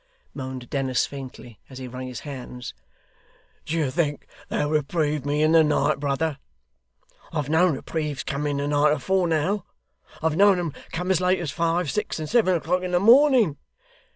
moaned Dennis faintly, as he wrung his hands. 'Do you think they'll reprieve me in the night, brother? I've known reprieves come in the night, afore now. I've known 'em come as late as five, six, and seven o'clock in the morning.